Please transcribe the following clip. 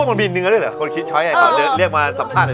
ด้วยมันมีเนื้อด้วยเหรอคนคิดช้อยใหญ่ของเรียกมาสัมภาษณ์หน่อย